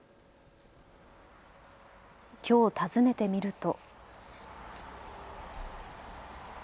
きょう、訪ねてみると。